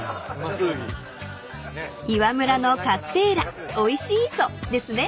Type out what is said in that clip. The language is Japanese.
［岩村のカステーラおいしそですね］